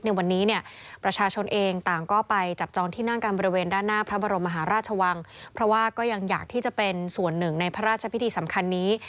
ในวันนี้เนี่ยประชาชนเองต่างก็ไปจับจองที่นั่งกันบริเวณด้านหน้าพระบรมมหาราชวังเพราะว่าก็ยังอยากที่จะเป็นส่วนหนึ่งในพระราชพิธีสำคัญนี้